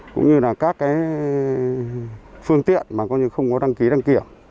cũng như là các phương tiện mà không có đăng ký đăng kiểm